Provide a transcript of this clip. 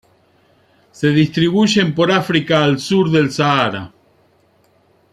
Se distribuyen por África al sur del Sahara.